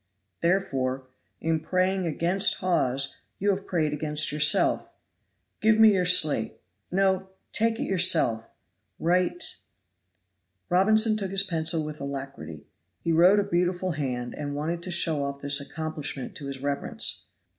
Therefore in praying against Hawes you have prayed against yourself. Give me your slate. No; take it yourself. Write " Robinson took his pencil with alacrity. He wrote a beautiful hand, and wanted to show off this accomplishment to his reverence.